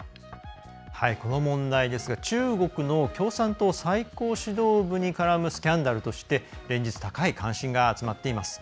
この問題ですが中国の共産党最高指導部に絡むスキャンダルとして連日高い関心が集まっています。